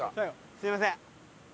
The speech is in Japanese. すみません。